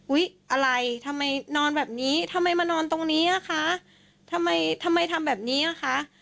อะไรทำไมนอนแบบนี้ทำไมมานอนตรงนี้อ่ะคะทำไมทำไมทำแบบนี้อ่ะคะ